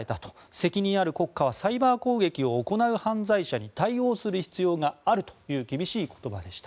責任ある国家はサイバー攻撃を行う犯罪者に対応する必要があるという厳しい言葉でした。